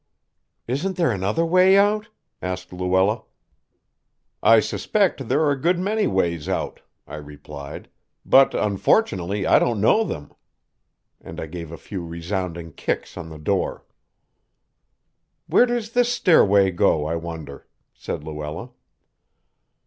"Isn't there another way out?" asked Luella. "I suspect there are a good many ways out," I replied, "but, unfortunately, I don't know them." And I gave a few resounding kicks on the door. "Where does this stairway go, I wonder?" said Luella.